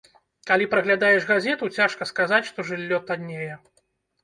Калі праглядаеш газету, цяжка сказаць, што жыллё таннее.